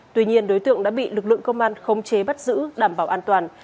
tuy nhiên đối tượng đã bị lực lượng công an khống chế bắt giữ đảm bảo an toàn